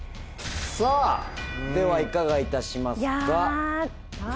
さぁではいかがいたしますか？